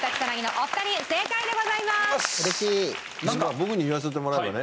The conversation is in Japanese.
僕に言わせてもらえばね。